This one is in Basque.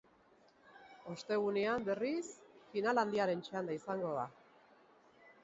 Ostegunean, berriz, final handiaren txanda izango da.